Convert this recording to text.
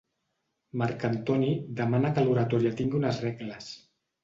Marc Antoni demana que l'oratòria tingui unes regles.